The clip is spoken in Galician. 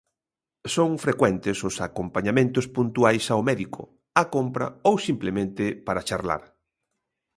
Son frecuentes os acompañamentos puntuais ao médico, á compra ou simplemente para charlar.